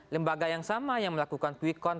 lembaga yang sama yang melakukan quickon